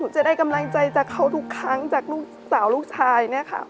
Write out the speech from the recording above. จะได้กำลังใจจากเขาทุกครั้งจากลูกสาวลูกชายเนี่ยค่ะ